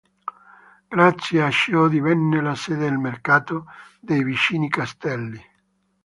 Grazie a ciò divenne la sede del mercato dei vicini castelli.